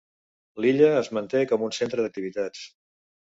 L'illa es manté com un centre d'activitats.